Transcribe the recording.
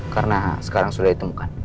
karena sekarang sudah ditemukan